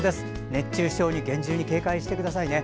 熱中症に厳重に警戒してくださいね。